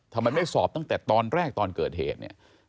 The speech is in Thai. ทำไมไม่สอบตั้งแต่ตอนแรกตอนเกิดเหตุเนี่ย